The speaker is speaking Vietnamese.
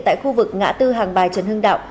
tại khu vực ngã tư hàng bài trần hưng đạo